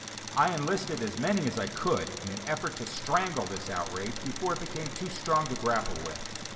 I enlisted as many as I could in an effort to strangle this outrage before it became too strong to grapple with.